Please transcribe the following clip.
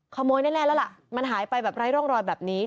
ขโมยแน่แล้วล่ะมันหายไปแบบไร้ร่องรอยแบบนี้